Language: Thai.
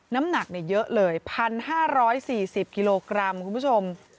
น้ำหนักเยอะเลย๑๕๔๐กิโลกรัมคุณผู้ชม